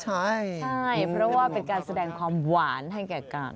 ใช่ใช่เพราะว่าเป็นการแสดงความหวานให้แก่กัน